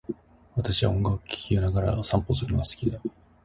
私は音楽を聴きながらお散歩をするのが好きだ。